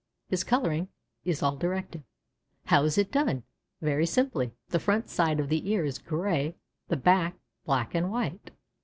His coloring is all directive. How is it done? Very simply. The front side of the ear is gray, the back, black and white.